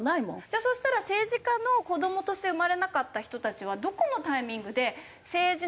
じゃあそうしたら政治家の子どもとして生まれなかった人たちはどこのタイミングで政治の仕事？